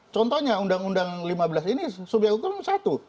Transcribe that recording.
contohnya undang undang lima belas ini subyek hukum satu